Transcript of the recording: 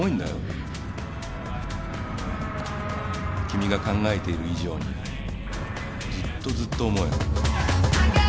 君が考えている以上にずっとずっと重い。